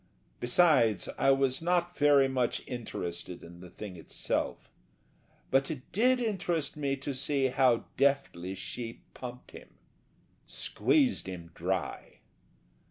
Besides, I was not very much interested in the thing itself. But it did interest me to see how deftly she pumped him squeezed him dry.